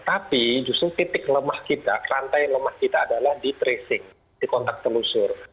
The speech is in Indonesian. tapi justru titik lemah kita rantai lemah kita adalah di tracing di kontak telusur